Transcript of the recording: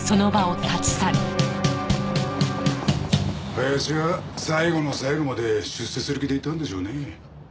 林は最後の最後まで出世する気でいたんでしょうね。